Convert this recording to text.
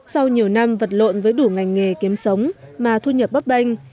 sau nhiều năm vật lộn với đủ ngành nghề kiếm sống mà thu nhập bắp banh